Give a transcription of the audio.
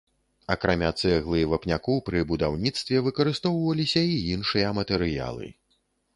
Акрамя цэглы і вапняку пры будаўніцтве выкарыстоўваліся і іншыя матэрыялы.